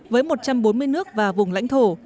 với một trăm bốn mươi nước và vùng lãnh thổ